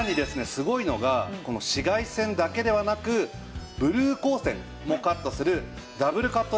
すごいのが紫外線だけではなくブルー光線もカットするダブルカット